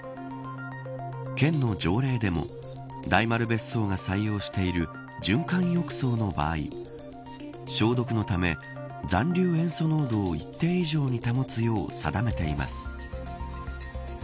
県の条例でも大丸別荘が採用している循環浴槽の場合消毒のため残留塩素濃度を一定以上に保つよう定めています。